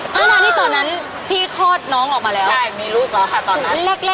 กำลังที่ตอนทั้นพี่กลัวน้องออกมาเลย